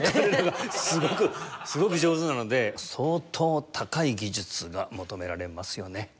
すごくすごく上手なので相当高い技術が求められますよね。